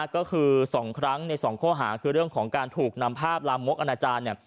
ก็คือ๒ครั้งใน๒ข้อหาคือเรื่องของการถูกนำภาพลามกอนาจารย์เนี่ย